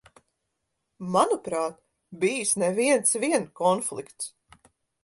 Manuprāt, bijis ne viens vien konflikts.